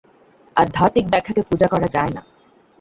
আধ্যাত্মিক ব্যাখ্যাকে পূজা করা যায় না।